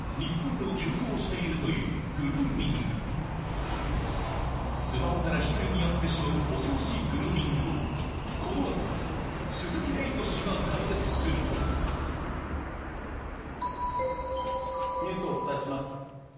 実は今スマホから被害に遭ってしまう恐ろしいグルーミングをこのあと鈴木エイト氏が解説するニュースをお伝えします